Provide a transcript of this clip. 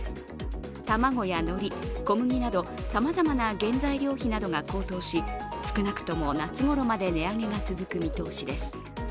卵やのり、小麦などさまざまな原材料費などが高騰し少なくとも夏ごろまで値上げが続く見通しです。